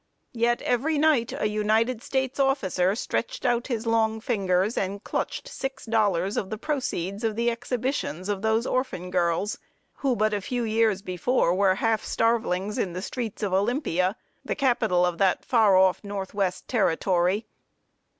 Yet every night a United States officer stretched out his long fingers, and clutched six dollars of the proceeds of the exhibitions of those orphan girls, who, but a few years before, were half starvelings in the streets of Olympia, the capital of that far off north west territory.